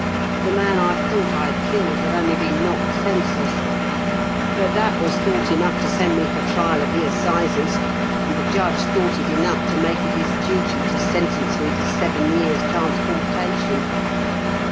The man I thought I had killed had only been knocked senseless; but that was thought enough to send me for trial at the assizes, and the judge thought it enough to make it his duty to sentence me to seven years' transportation.